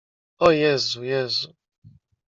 "O Jezu, Jezu!"